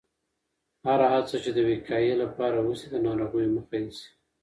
هره هڅه چې د وقایې لپاره وشي، د ناروغیو مخه نیسي.